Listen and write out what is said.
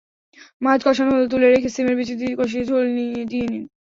মাছ কষানো হলে তুলে রেখে শিমের বিচি দিয়ে কষিয়ে ঝোল দিয়ে দিন।